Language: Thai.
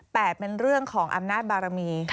แต่เป็นเรื่องของอำนาจบารมี